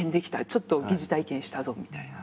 「ちょっと疑似体験したぞ」みたいな。